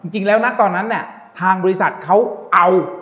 จริงแล้วนะตอนนั้นเนี่ยทางบริษัทเขาเอา